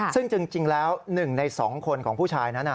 ซึ่งจริงแล้ว๑ใน๒คนของผู้ชายนั้น